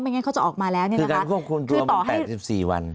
งั้นเขาจะออกมาแล้วคือการควบคุมตัวมา๘๔วัน